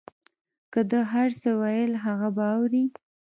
که ده هر څه ویل هغه به اورې.